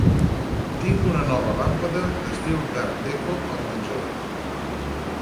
Tinc una nova làmpada d'estil d'art-déco al menjador.